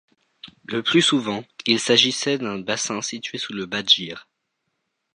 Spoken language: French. Le plus souvent, il s'agissait d'un bassin situé sous le bâdgir.